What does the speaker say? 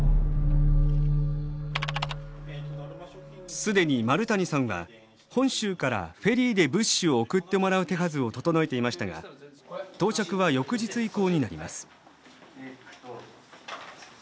既に丸谷さんは本州からフェリーで物資を送ってもらう手はずを整えていましたが到着は翌日以降になります。